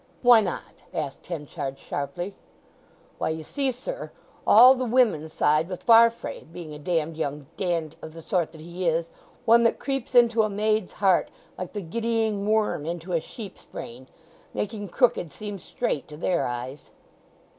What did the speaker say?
"Why not?" asked Henchard sharply. "Why, you see, sir, all the women side with Farfrae—being a damn young dand—of the sort that he is—one that creeps into a maid's heart like the giddying worm into a sheep's brain—making crooked seem straight to their eyes!"